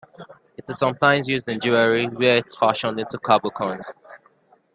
It is sometimes used in jewellery where it is fashioned into cabochons.